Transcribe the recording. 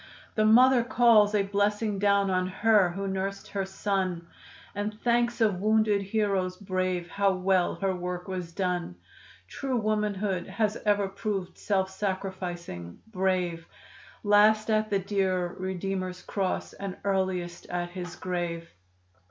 The mother calls a blessing down on her who nursed her son, And thanks of wounded heroes brave how well her work was done. True womanhood has ever prov'd self sacrificing, brave Last at the dear Redeemer's Cross and earliest at His grave.